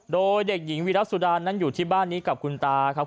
โดยเด็กหญิงวีรสุดานั้นอยู่ที่บ้านนี้กับคุณตาครับ